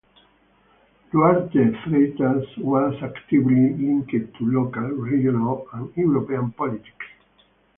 Duarte Freitas was actively linked to local, regional and European politics.